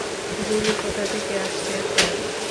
গুলি কোথা থেকে আসছে, স্যার?